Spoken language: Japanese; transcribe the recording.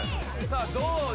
さあどうね。